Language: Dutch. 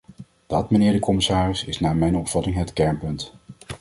Dat, mijnheer de commissaris, is naar mijn opvatting het kernpunt.